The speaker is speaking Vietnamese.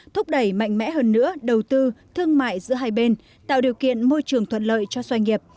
thúc đẩy mạnh mẽ hơn nữa đầu tư thương mại giữa hai bên tạo điều kiện môi trường thuận lợi cho doanh nghiệp